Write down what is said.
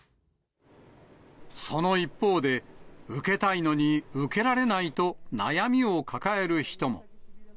その一方で、受けたいのに受けられないと、悩みを抱える人も。